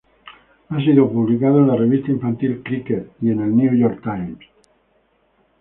Ha sido publicado en la revista infantil "Cricket", y en el "New York Times".